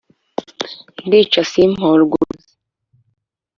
Ndica simporwe-Uruzi.